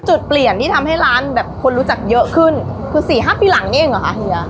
จุดเปลี่ยนที่ทำให้ร้านแบบคนรู้จักเยอะขึ้นคือสี่ห้าปีหลังนี้เองเหรอคะเฮีย